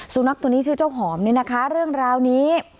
สุนัขตัวนี้ชื่อเจ้าหอมนี่นะคะเรื่องราวนี้